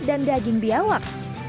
dan daging biawak